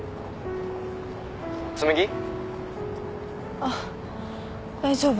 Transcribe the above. あっ大丈夫。